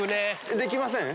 できません？